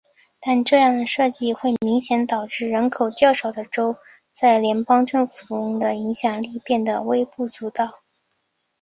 但这样的设计会明显导致人口较少的州在联邦政府中的影响力变得非常微不足道。